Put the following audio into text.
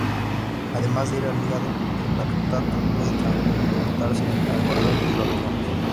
Además de ir al hígado, el lactato puede transportarse al corazón y los riñones.